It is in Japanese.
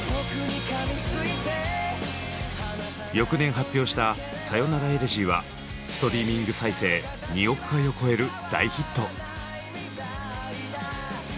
翌年発表した「さよならエレジー」はストリーミング再生２億回を超える大ヒット。